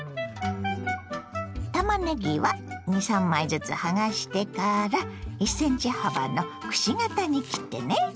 たまねぎは２３枚ずつ剥がしてから１ｃｍ幅のくし形に切ってね。